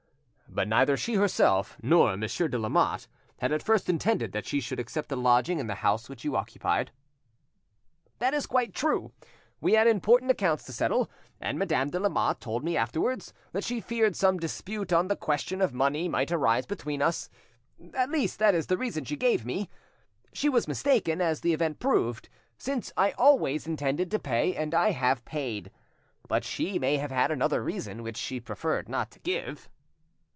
"But neither she herself, nor Monsieur de Lamotte, had at first intended that she should accept a lodging in the house which you occupied." "That is quite true. We had important accounts to settle, and Madame de Lamotte told me afterwards that she feared some dispute on the question of money might arise between us—at least, that is the reason she gave me. She was mistaken, as the event proved, since I always intended to pay, and I have paid. But she may have had another reason which she preferred not to give."